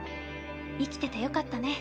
生きててよかったね